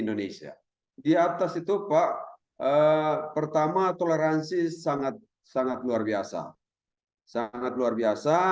indonesia di atas itu pak pertama toleransi sangat sangat luar biasa sangat luar biasa